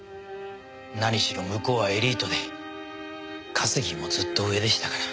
何しろ向こうはエリートで稼ぎもずっと上でしたから。